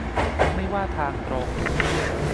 ไม่ว่าทางตรง